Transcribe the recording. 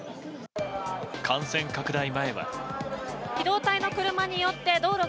感染拡大前は。